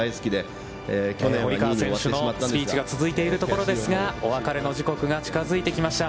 夢選手のスピーチが続いていますが、お別れの時刻が近づいてきました。